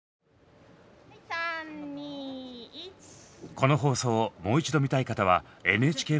この放送をもう一度見たい方はＮＨＫプラスで！